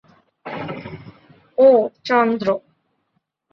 ওঃ– চন্দ্র।